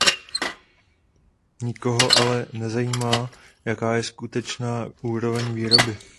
Nikoho ale nezajímá, jaká je skutečná úroveň výroby.